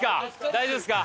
大丈夫ですか？